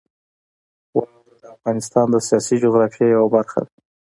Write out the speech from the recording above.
واوره د افغانستان د سیاسي جغرافیې یوه برخه ده.